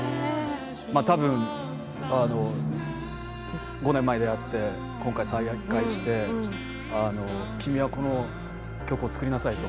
たぶん、５年前そして今回、再会して君はこの曲を作りなさいと。